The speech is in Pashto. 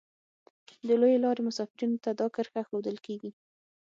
د لویې لارې مسافرینو ته دا کرښه ښودل کیږي